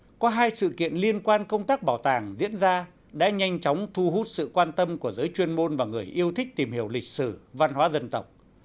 nhớ ngày cuối tháng một mươi một năm hai nghìn một mươi tám có hai sự kiện liên quan công tác bảo tàng diễn ra đã nhanh chóng thu hút sự quan tâm của giới chuyên môn và người yêu thích tìm hiểu lịch sử văn hóa dân tộc